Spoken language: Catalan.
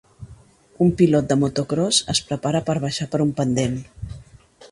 Un pilot de motocròs es prepara per baixar per un pendent.